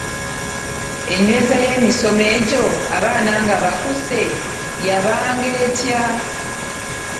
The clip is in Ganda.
Enyweza y’emisomo egyo abaana nga bakuze yabanga etya?